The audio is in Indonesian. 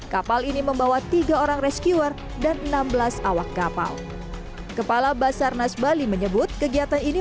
kapal ini membawa tiga orang rescuer dan enam belas awak kapal kepala basarnas bali menyebut kegiatan ini